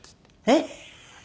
「えっ！」。